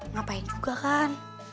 ngapain juga kan